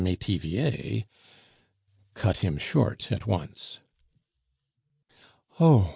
Metivier" cut him short at once. "Oh!"